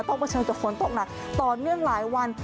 เผชิญกับฝนตกหนักต่อเนื่องหลายวัน